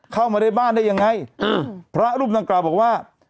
เข้ามาในบ้านได้ยังไงพระรูปดังกล่าวบอกว่า